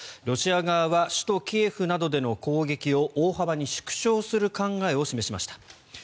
ロシア側は首都キエフなどでの攻撃を大幅に縮小する考えを示しました。